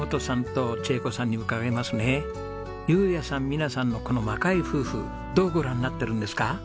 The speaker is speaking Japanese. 美奈さんのこの若い夫婦どうご覧になってるんですか？